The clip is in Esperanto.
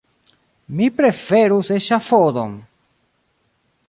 Mi preferus eŝafodon!